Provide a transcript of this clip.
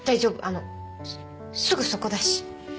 あのすぐそこだし。